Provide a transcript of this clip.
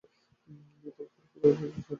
তার পরোপকার অনেক ছাত্রের জীবন বদলে দিয়েছে।